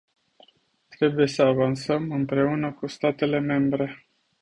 Trebuie să avansăm, împreună cu statele membre.